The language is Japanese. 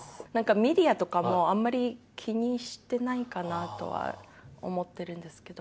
メディアとかもあんまり気にしてないかなとは思ってるんですけど。